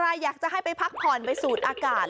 ใครอยากจะให้ไปพักผ่อนไปสูดอากาศ